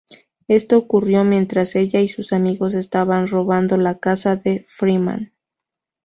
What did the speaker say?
Esto ocurrió mientras ella y sus amigos estaban robando la casa de Freeman.